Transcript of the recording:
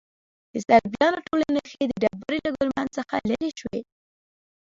د صلیبیانو ټولې نښې د ډبرې له ګنبد څخه لیرې شوې.